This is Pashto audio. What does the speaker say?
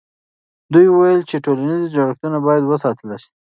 دوی وویل چې ټولنیز جوړښتونه باید وساتل سي.